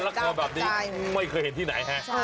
มันลักษณะแบบนี้ไม่เคยเห็นที่ไหน